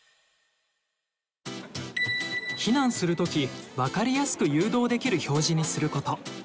避難する時わかりやすく誘導できる表示にすること。